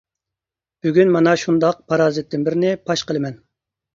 بۈگۈن مانا شۇنداق پارازىتتىن بىرنى پاش قىلىمەن.